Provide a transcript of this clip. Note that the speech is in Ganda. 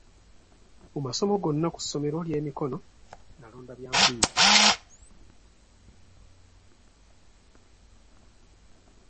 Mu masomo gonna ku ssomero ly'emikono, nalonda bya nviiri.